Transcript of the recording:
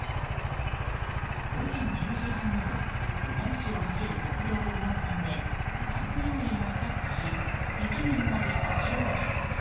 午前１０時半ごろ小樽市を走る国道５号線でタンクローリーがスタックし雪に埋まり立往生。